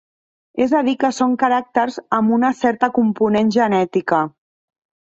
És a dir que són caràcters amb una certa component genètica.